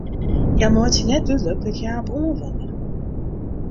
Hja meitsje net dúdlik wêr't hja op oan wolle.